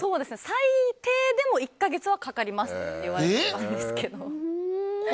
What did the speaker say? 最低でも１か月はかかりますっていわれていたんですけど。